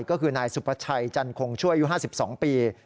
ก็คือนายสุประชัยจันทรงช่วยอยู่๕๒ปี